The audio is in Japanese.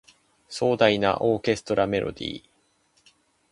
壮大なオーケストラメロディ